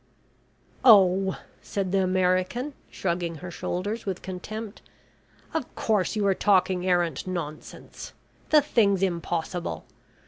"Oh," said the American, shrugging her shoulders with contempt, "of course, you are talking arrant nonsense! The thing's impossible.